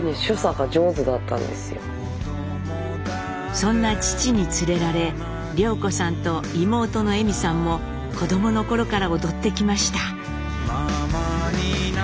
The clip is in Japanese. そんな父に連れられ涼子さんと妹の衣美さんも子どもの頃から踊ってきました。